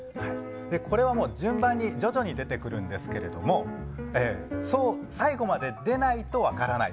これは順番に徐々に出てくるんですが最後まで出ないと分からない